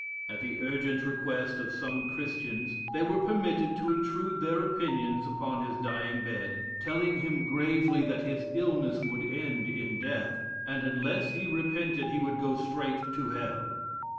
At the urgent request of some Christians, they were permitted to intrude their opinions upon his dying bed, telling him gravely that his illness would end in death, and unless he repented, he would go straight to hell.